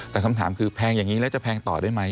แต่คำถามคือแพงอย่างนี้แล้วจะแพงต่อได้ไหม